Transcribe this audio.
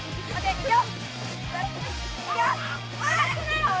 いくよ！